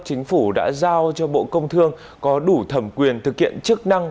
chính phủ đã giao cho bộ công thương có đủ thẩm quyền thực hiện chức năng